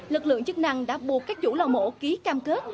lực lượng chức năng đã buộc các chủ lò mổ ký cam kết